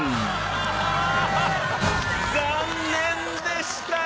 残念でした。